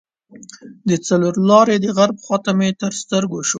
د څلور لارې د غرب خواته مې تر سترګو شو.